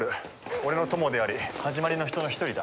俺の友でありはじまりの人の一人だ。